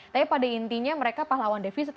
tapi pada intinya mereka pahlawan defisit